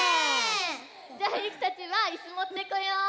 じゃあゆきたちはいすもってこよう！